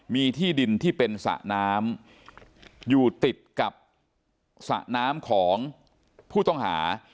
มีที่ดินที่เป็นสระน้ำอยู่ติดกับสระน้ำของผู้ต้องหา